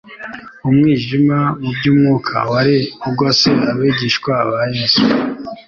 Umwijima mu by'umwuka wari ugose abigishwa ba Yesu,